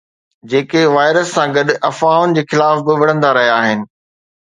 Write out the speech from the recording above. جيڪي وائرس سان گڏ افواهن جي خلاف به وڙهندا رهيا آهن.